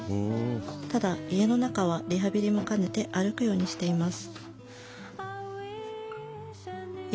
ただ家の中はリハビリも兼ねて歩くようにしています。